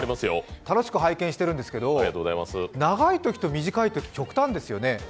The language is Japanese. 楽しく拝見してるんですけど、長いときと短いとき極端ですよね。